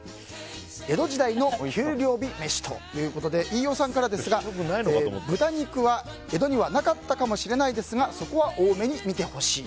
江戸時代の給料日めしということで飯尾さんからですが豚肉は江戸にはなかったかもしれないですがそこは大目に見てほしい。